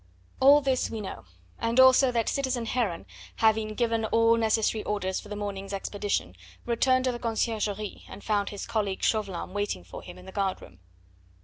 All this we know, and also that citizen Heron, having given all necessary orders for the morning's expedition, returned to the Conciergerie, and found his colleague Chauvelin waiting for him in the guard room.